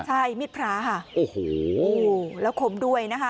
ใช่มีดพระค่ะโอ้โหแล้วคมด้วยนะคะ